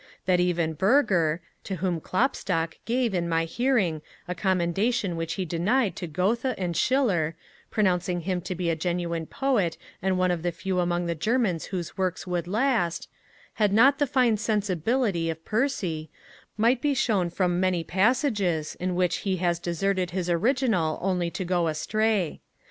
That even Burger (to whom Klopstock gave, in my hearing, a commendation which he denied to Goethe and Schiller, pronouncing him to be a genuine poet, and one of the few among the Germans whose works would last) had not the fine sensibility of Percy, might be shown from many passages, in which he has deserted his original only to go astray.